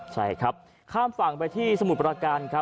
ใช่ครับข้ามฝั่งไปที่สมุทรประการครับ